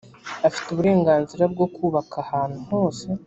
afite uburenganzira bwo kubaka ahantu hose